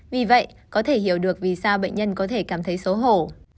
vì vậy có thể hiểu được vì sao bệnh nhân có thể cảm thấy xấu hổ